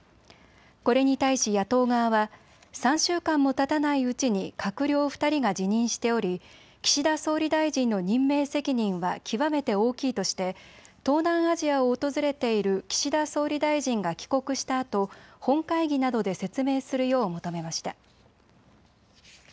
これに対し野党側は３週間もたたないうちに閣僚２人が辞任しており岸田総理大臣の任命責任は極めて大きいとして東南アジアを訪れている岸田総理大臣が帰国したあと本会議などで説明するよう求めました。